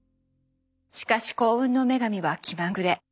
しかし幸運の女神は気まぐれ。